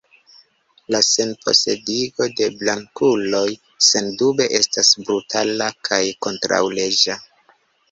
La senposedigo de blankuloj sendube estas brutala kaj kontraŭleĝa.